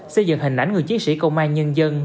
xây dựng hình ảnh người chiến sĩ công an nhân dân